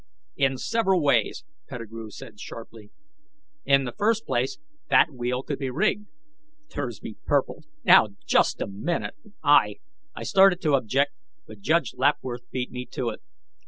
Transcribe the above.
"In several ways!" Pettigrew said sharply. "In the first place, that wheel could be rigged." Thursby purpled. "Now, just a minute! I " I started to object, but Judge Lapworth beat me to it.